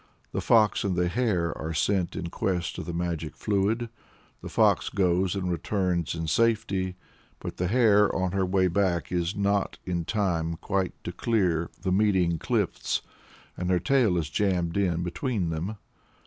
The Fox and the Hare are sent in quest of the magic fluid. The Fox goes and returns in safety, but the Hare, on her way back, is not in time quite to clear the meeting cliffs, and her tail is jammed in between them.